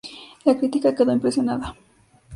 La crítica quedó impresionada.